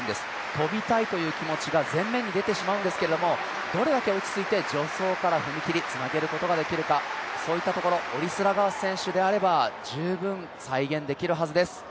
跳びたいという気持ちが前面に出てしまうんですけれどもどれだけ落ち着いて助走から踏み切り、つなげることができるか、そういったところ、オリスラガース選手であれば十分再現できるはずです。